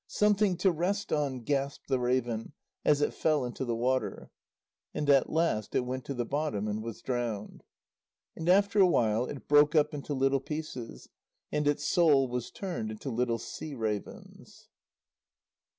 "Something to rest on!" gasped the raven, as it fell into the water. And at last it went to the bottom and was drowned. And after a while, it broke up into little pieces, and its soul was turned into little "sea ravens."